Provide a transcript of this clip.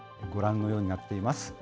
ご覧のようになっています。